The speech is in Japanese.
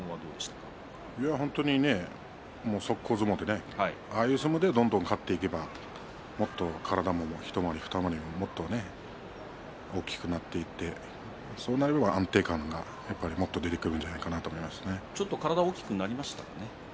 速攻相撲で、ああいう相撲でどんどん勝っていけば体も一回りも二回りももっと大きくなっていってそうなれば安定感がもっと出てくるんじゃないかなとちょっと体が大きくなりましたかね？